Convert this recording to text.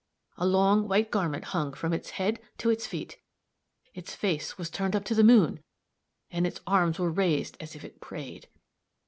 A long white garment hung from its head to its feet; its face was turned up to the moon, and its arms were raised as if it prayed.